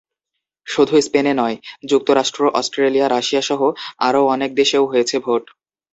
শুধু স্পেনে নয়, যুক্তরাষ্ট্র, অস্ট্রেলিয়া, রাশিয়াসহ আরও অনেক দেশেও হয়েছে ভোট।